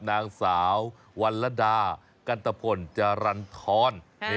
นางสาววันละดากันตะพลจรรทร